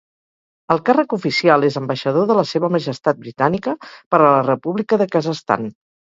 El càrrec oficial és ambaixador de la seva Majestat britànica per a la República de Kazakhstan.